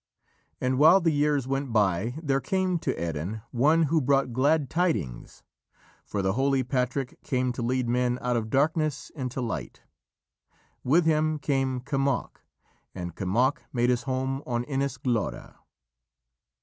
And while the years went by, there came to Erin one who brought glad tidings, for the holy Patrick came to lead men out of darkness into light. With him came Kemoc, and Kemoc made his home on Inis Glora.